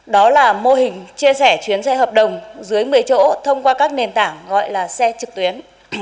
đó là mô hình chia sẻ chuyến xe hợp đồng dưới một mươi chỗ thông qua các nền tảng gọi là xe trực tuyến